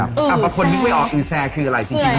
ถ้าคนนึกจริงว่าอึแซคคืออะไร